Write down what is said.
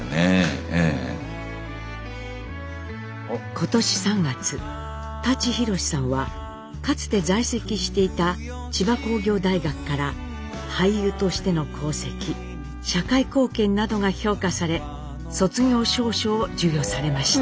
今年３月舘ひろしさんはかつて在籍していた千葉工業大学から俳優としての功績社会貢献などが評価され卒業証書を授与されました。